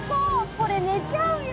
これ寝ちゃうよ。